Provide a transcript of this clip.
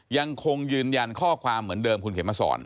ยังคงยืนยันข้อความเหมือนเดิมคุณเข็มมาสอน